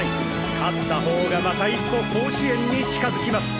勝った方がまた１歩甲子園に近づきます。